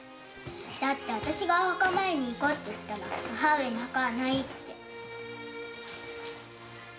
だって私が「お墓参りに行こう」って言ったら「母上のお墓はない」って。